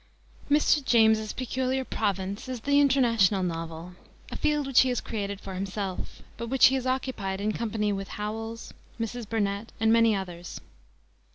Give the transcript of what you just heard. Mr. James's peculiar province is the international novel; a field which he created for himself, but which he has occupied in company with Howells, Mrs. Burnett, and many others.